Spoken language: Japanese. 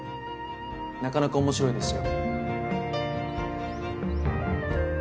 なかなか面白いですよ。